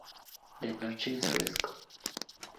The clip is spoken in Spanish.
De noche, es fresco.